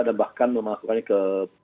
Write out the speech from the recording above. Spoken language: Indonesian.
dan bahkan memasukkannya ke